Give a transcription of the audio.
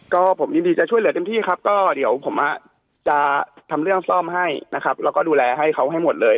ก็เดี๋ยวผมอ่ะจะทำเรื่องซ่อมให้นะครับแล้วก็ดูแลให้เขาให้หมดเลย